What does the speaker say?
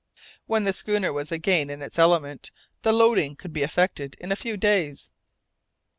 When the schooner was again in its element, the loading could be effected in a few days.